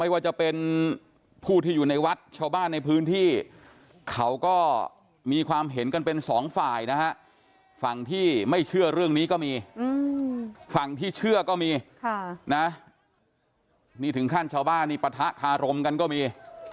ว่าไม่มีใครรู้แต่น้องรู้ว่ามีตำนี่